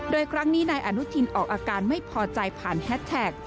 โดยครั้งนี้นายอนุทินออกอาการไม่พอใจผ่านแฮชแท็ก